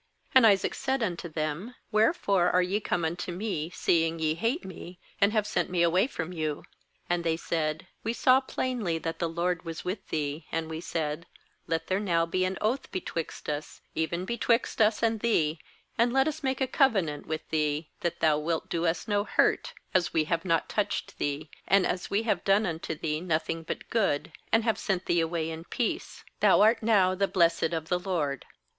27And Isaac said unto them: 1 Wherefore are ye come unto me, see ing ye hate me, and have sent me away from you?' 28And they said: 'We saw plainly that the LORD was with thee; and we said: Let there now be an oath betwixt us, even betwixt us and thee, and let us make a covenant with thee; 29that thou wilt do us no hurt, as we have not touched thee, and as we have done unto thee nothing but good, and have sent thee away in peace; thou art now the blessed of the LORD.'